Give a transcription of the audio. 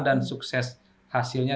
dan sukses hasilnya